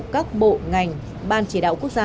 các bộ ngành ban chỉ đạo quốc gia